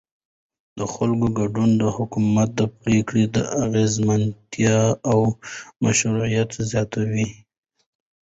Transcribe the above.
د خلکو ګډون د حکومت د پرېکړو د اغیزمنتیا او مشروعیت زیاتوي